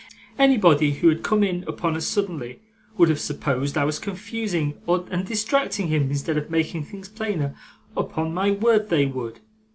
Anybody who had come in upon us suddenly, would have supposed I was confusing and distracting him instead of making things plainer; upon my word they would.